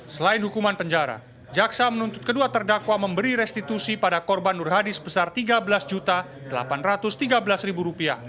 selain hukuman penjara jaksa menuntut kedua terdakwa memberi restitusi pada korban nur hadi sebesar rp tiga belas delapan ratus tiga belas